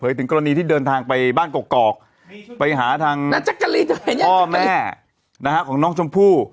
เผยถึงกรณีที่เดินทางไปบ้านเกาะไปหาทางพ่อแม่ของน้องชมพู่